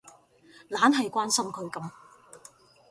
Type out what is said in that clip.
懶係關心佢噉